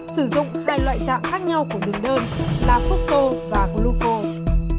sử dụng hai loại tạo khác nhau của đường đơn là fructose và glucose